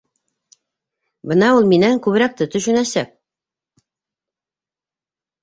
- Бына ул минән күберәкте төшөнәсәк.